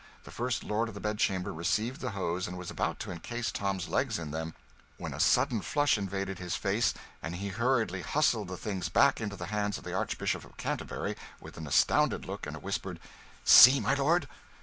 The First Lord of the Bedchamber received the hose and was about to encase Tom's legs in them, when a sudden flush invaded his face and he hurriedly hustled the things back into the hands of the Archbishop of Canterbury with an astounded look and a whispered, "See, my lord!"